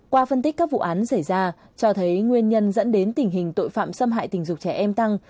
qua phân tích các vụ án xảy ra cho thấy nguyên nhân dẫn đến tình hình tội phạm xâm hại tình dục trẻ em tăng